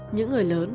những người lớn